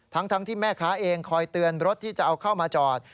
ทั้งที่แม่ค้าเองคอยเตือนรถที่จะเอาเข้ามาจอด